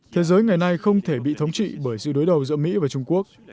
thế giới ngày nay không thể bị thống trị bởi sự đối đầu giữa mỹ và trung quốc